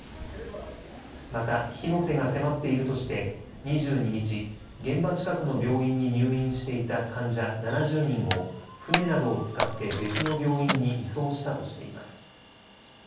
また火の手が迫っているとして２２日、現場近くの病院に入院していた患者７０人を船などを使って別の病院に移送したとしています。